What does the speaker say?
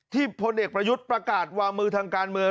พลเอกประยุทธ์ประกาศวางมือทางการเมือง